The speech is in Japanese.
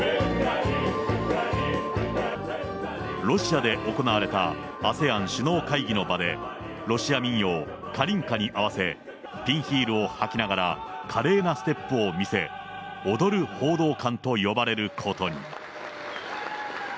ロシアで行われたＡＳＥＡＮ首脳会議の場で、ロシア民謡、カリンカに合わせ、ピンヒールをはきながら華麗なステップを見せ、踊る報道官と呼ばれることに。